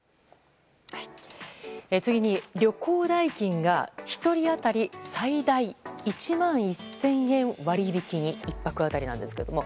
次に旅行代金が１人当たり最大１万１０００円割り引きに１泊当たりなんですけども。